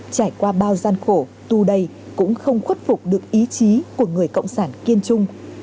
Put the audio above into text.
trải qua bao gian khổ tu đây cũng không khuất phục được ý chí của người cộng sản kiên trung